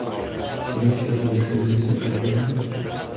Proč tato diskriminace přetrvala?